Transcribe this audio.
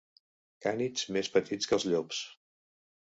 Cànids més petits que els llops.